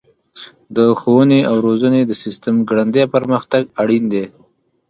د ښوونې او روزنې د سیسټم ګړندی پرمختګ اړین دی.